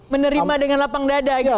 menerima dengan lapang dada gitu